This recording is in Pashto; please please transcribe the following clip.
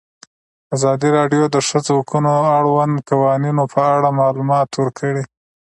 ازادي راډیو د د ښځو حقونه د اړونده قوانینو په اړه معلومات ورکړي.